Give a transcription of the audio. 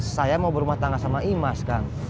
saya mau berumah tangga sama imas kan